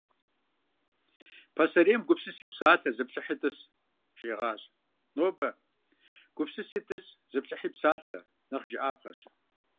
Пасэрейм «гупсыси псалъэ, зыплъыхьи тӏыс» жиӏэгъащ. Нобэ «гупсыси тӏыс, зыплъыхьи псалъэ» нэхъ жыӏапхъэщ.